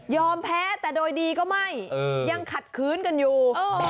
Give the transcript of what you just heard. แพ้แต่โดยดีก็ไม่ยังขัดคืนกันอยู่